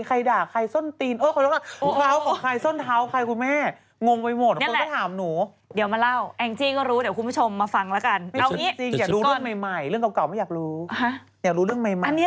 อีกเดือนอีกเดือนต่อไปเห็นกระเทยเมาเหมือนเธออยู่เรื่องไรคะ